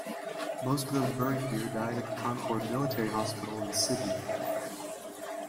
Most of those buried here died at the Concord Military Hospital in Sydney.